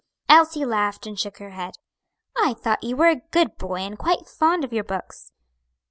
Elsie laughed and shook her head. "I thought you ware a good boy and quite fond of your books."